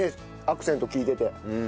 アクセント利いてて。